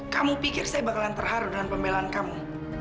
kamu pikir saya bakalan terharu dengan pembelaan kamu